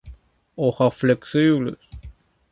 Hojas flexibles.